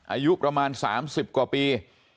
อายุประมาณ๓๐กว่าปี